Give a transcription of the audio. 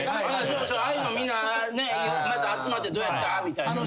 ああいうのみんな集まってどうやったみたいな。